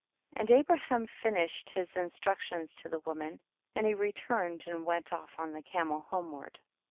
32. And Abraham finished his in structions to the woman, and he turned and went off on the camel homeward.